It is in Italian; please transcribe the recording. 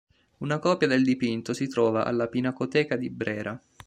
Una copia del dipinto si trova alla Pinacoteca di Brera.